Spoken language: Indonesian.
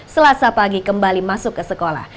selasa pagi kembali masuk ke sekolah